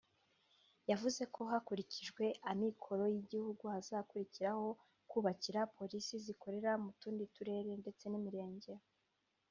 yavuze ko hakurikijwe amikoro y’igihugu hazakurikiraho kubakira Polisi zikorera mu tundi turere ndetse n’imirenge